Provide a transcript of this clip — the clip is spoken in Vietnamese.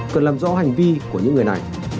cần làm rõ hành vi của những người này